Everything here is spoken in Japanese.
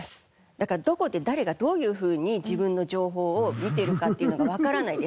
だからどこで誰がどういうふうに自分の情報を見てるかっていうのがわからないです。